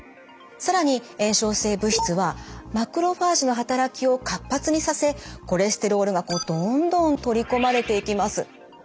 更に炎症性物質はマクロファージの働きを活発にさせコレステロールがどんどん取り込まれていきます。